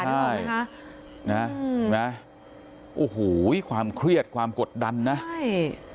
นึกออกไหมฮะน่ะน่ะโอ้โหความเครียดความกดดันนะใช่